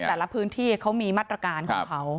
แต่ละพื้นที่เขามีมาตรการของเขา